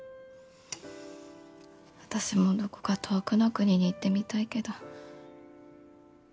私もどこか遠くの国に行ってみたいけど。